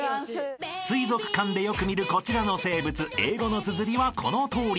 ［水族館でよく見るこちらの生物英語のつづりはこのとおり］